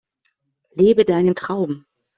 Lebe deinen Traum!